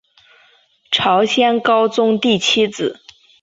朝鲜高宗第七子。